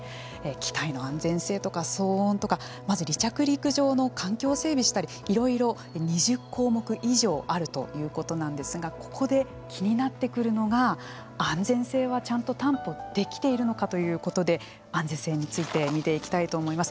機体の安全性とか騒音とかまず離着陸場の環境を整備したりいろいろ２０項目以上あるということなんですがここで気になってくるのが安全性はちゃんと担保できているのかということで安全性について見ていきたいと思います。